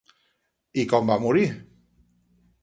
I com va morir?